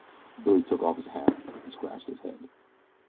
Billy took off his hat and scratched his head.